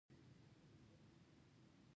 کور باید د امنیت ځای وي، نه د ویرې.